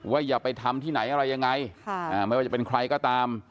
อย่าไปทำที่ไหนอะไรยังไงไม่ว่าจะเป็นใครก็ตาม